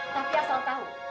tapi asal tahu